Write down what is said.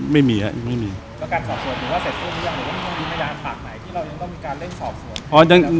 ในชั้นนี้ยังยังไม่มี